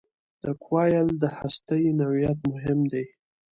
د کوایل د هستې نوعیت مهم دی.